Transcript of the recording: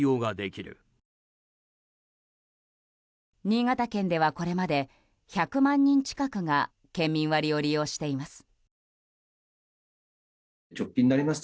新潟県ではこれまで１００万人近くが県民割を利用しています。